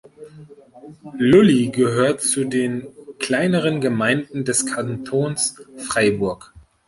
Lully gehört zu den kleineren Gemeinden des Kantons Freiburg.